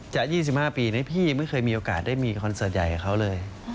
๒๕ปีนะพี่ไม่เคยมีโอกาสได้มีคอนเสิร์ตใหญ่กับเขาเลย